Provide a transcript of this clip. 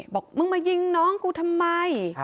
บอกมึงมายิงน้องกูทำไม